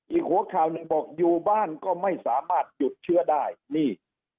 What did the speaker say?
อีกหัวข่าวหนึ่งบอกอยู่บ้านก็ไม่สามารถหยุดเชื้อได้นี่